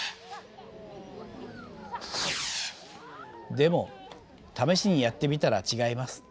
でも試しにやってみたら違います。